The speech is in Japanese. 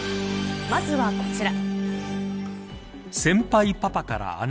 まずはこちら。